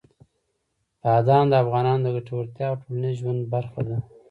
بادام د افغانانو د ګټورتیا او ټولنیز ژوند برخه ده.